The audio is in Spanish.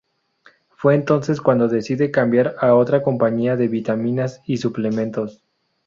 Fue entonces cuando decide cambiar a otra compañía de vitaminas y suplementos.